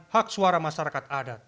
hak suara masyarakat adat